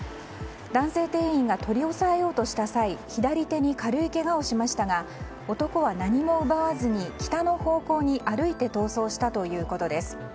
男性店員が取り押さえようとした際左手に軽いけがをしましたが男は何も奪わずに北の方向に歩いて逃走したということです。